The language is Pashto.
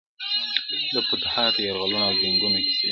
د فتوحاتو یرغلونو او جنګونو کیسې,